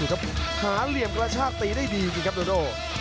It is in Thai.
หาเหลี่ยมกระชากตีได้ดีครับโดโด